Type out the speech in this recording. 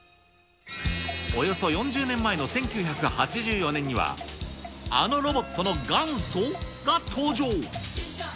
およそ４０年前の１９８４年には、あのロボットの元祖？が登場。